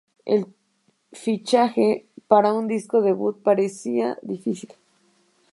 El fichaje para un disco debut parecía difícil.